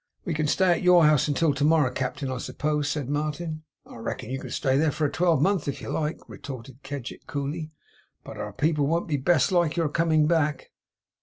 'We can stay at your house until to morrow, Captain, I suppose?' said Martin. 'I reckon you can stay there for a twelvemonth if you like,' retorted Kedgick coolly. 'But our people won't best like your coming back.